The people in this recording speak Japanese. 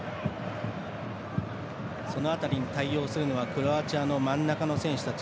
その辺りに対応するのはクロアチアの真ん中の選手たち